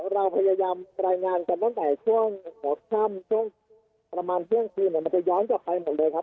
เราพยายามตายงานกันตั้งแต่ช่วงศพชั่งช่วงประมาณเครื่องชีวิตเนี่ยมันจะย้อนกลับกลับไปหมดเลยครับ